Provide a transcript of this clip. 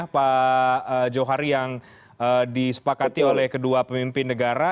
pak johari yang disepakati oleh kedua pemimpin negara